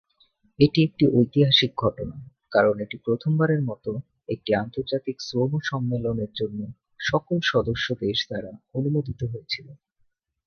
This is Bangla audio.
এটি একটি ঐতিহাসিক ঘটনা কারণ এটি প্রথমবারের মতো একটি আন্তর্জাতিক শ্রম সম্মেলনের জন্য সকল সদস্য দেশ দ্বারা অনুমোদিত হয়েছিল।